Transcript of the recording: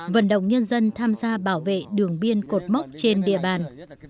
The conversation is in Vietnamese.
vận động nhân dân tham gia bảo vệ đường biên cột mốc trên địa bàn